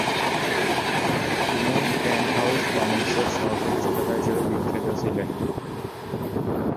তিনি Penthouse Comics -এর সহ প্রতিষ্ঠাতা হিসেবে বিখ্যাত ছিলেন।